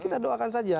kita doakan saja